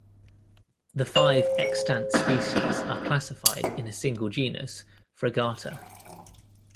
The five extant species are classified in a single genus, Fregata.